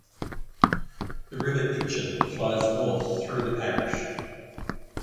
The River Itchen flows north through the parish.